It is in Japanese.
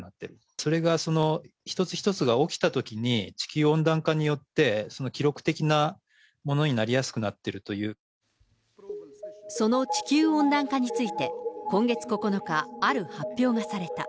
それがその一つ一つが起きたときに地球温暖化によって、その記録的なものになりやすくなってるとその地球温暖化について今月９日、ある発表がされた。